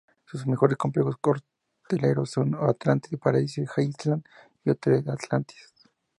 Sus mejores complejos hoteleros son Atlantis Paradise Island y Hotel Atlantis.